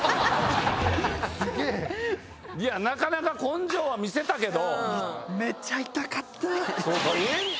いやなかなか根性は見せたけど。